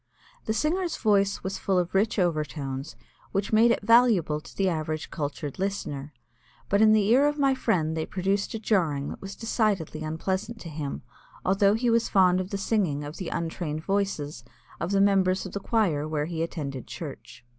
The singer's voice was full of rich overtones which made it valuable to the average cultured listener, but in the ear of my friend they produced a jarring that was decidedly unpleasant to him, although he was fond of the singing of the untrained voices of the members of the choir where he attended church.